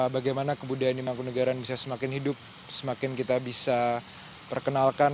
bagaimana kebudayaan di mangkunegaran bisa semakin hidup semakin kita bisa perkenalkan